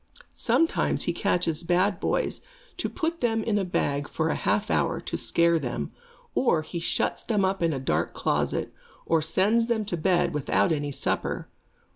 Sometimes he catches bad boys, to put them in a bag for a half hour, to scare them; or, he shuts them up in a dark closet, or sends them to bed without any supper.